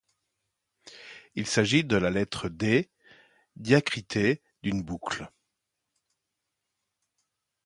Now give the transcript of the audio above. Il s'agit de la lettre D diacritée d’une boucle.